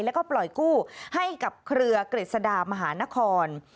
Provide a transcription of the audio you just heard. แล้วก็ปล่อยกู้ให้กับเครือกฤษฎามหานคร